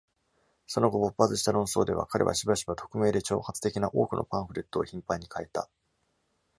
その後勃発した論争では、彼はしばしば匿名で挑発的な多くのパンフレットを頻繫に書いた。